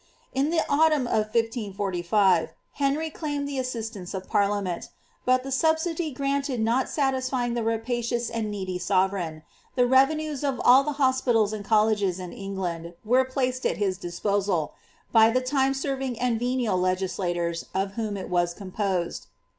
In the autumn of 1545, Henry claimed the assistance of parliament, bat the subsidy granted not satisfying the rapacious and needy sove reign, the revenues of all the hospitals aud colleges in England were ^Med at his disposal, by the time serving and venal legislators of whom It was composed.'